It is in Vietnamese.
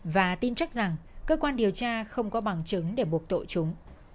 và tin chắc rằng cơ quan điều tra không có bằng chứng để buộc tội chúng